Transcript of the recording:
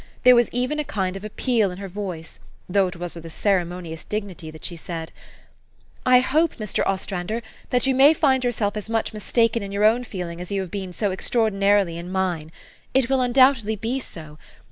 There was even a kind of appeal in her voice, though it was with ceremonious dignity that she said, " I hope, Mr. Ostrander, that you may find your self as much^ mistaken in your own feeling as you have been, so extraordinarily, in mine. It will undoubtedly be so.